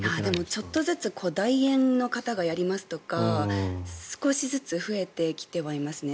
ちょっとずつ代演の方がやりますとか少しずつ増えてきてはいますね。